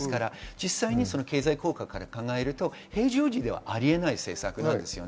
実際、経済効果から考えると平常時ではありえない政策です。